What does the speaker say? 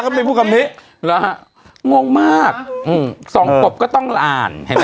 ก็ไม่ได้พูดคำนี้แล้วง่วงมากอืมสองกบก็ต้องอ่านเห็นไหมส่ะ